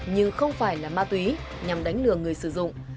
nhưng không phải là ma túy nhằm đánh lừa người sử dụng